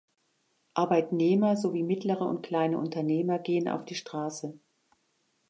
Arbeitnehmer sowie mittlere und kleine Unternehmer gehen auf die Straße.